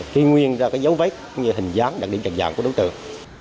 khi nguyên ra các dấu vết như hình dáng đặc điểm trạng dạng của đối tượng